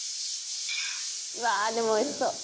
「うわあでもおいしそう」